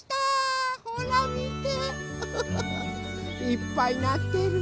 いっぱいなってる。